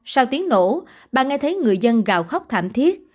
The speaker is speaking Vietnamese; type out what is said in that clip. sau tiếng nổ bà nghe thấy người dân gào khóc thảm thiết